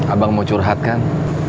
abang mau curhat kan